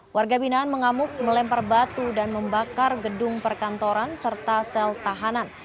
warga binaan mengamuk melempar batu dan membakar gedung perkantoran serta sel tahanan